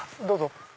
どうぞ。